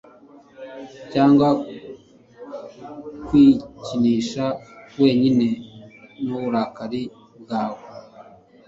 cyangwa kwikinisha wenyine n'uburakari bwawe